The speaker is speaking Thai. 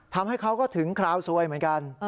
ทำให้เขาก็ถึงคราวซวยเหมือนกัน